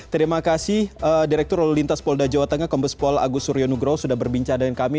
terima kasih direktur lalu lintas polda jawa tengah kombespol agus suryo nugro sudah berbincang dengan kami